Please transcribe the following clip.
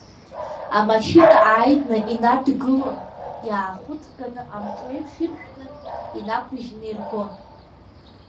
Амашьына ааины инадгылон, иаахәыҵганы амҿы еиԥш иршәны, инақәыжьны иргон.